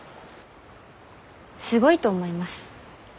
すごいと思います。